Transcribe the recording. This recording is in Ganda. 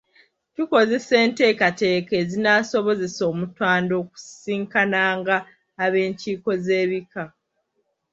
Tukoze enteekateeka ezinaasobozesa Omutanda okusisinkananga ab’enkiiko z’ebika.